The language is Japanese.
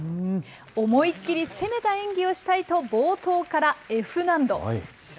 思いっきり攻めた演技をしたいと冒頭からＦ難度。